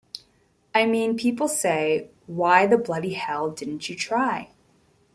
I mean people say, why the bloody hell didn't you try?